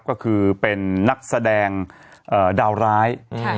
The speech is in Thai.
ก็คือเป็นนักแสดงดาวร้าย